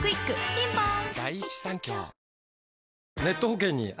ピンポーン